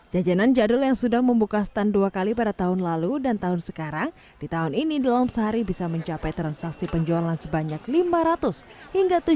jajanan jadul yang sudah membuka stand dua kali pada tahun lalu dan tahun sekarang di tahun ini dalam sehari bisa mencapai transaksi penjualan sebanyak lima ratus hingga tujuh juta rupiah